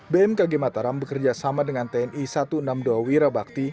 bmkg mataram bekerja sama dengan tni satu ratus enam puluh dua wirabakti